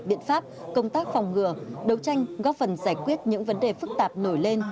biện pháp công tác phòng ngừa đấu tranh góp phần giải quyết những vấn đề phức tạp nổi lên